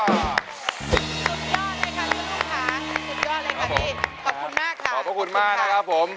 สุดยอดเลยค่ะคุณรุ่งค่ะขอบคุณมากค่ะ